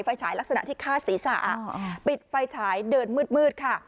ฉายลักษณะที่ฆ่าศีรษะปิดไฟฉายเดินมืดค่ะ